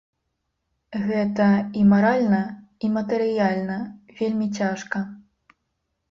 Гэта і маральна, і матэрыяльна вельмі цяжка.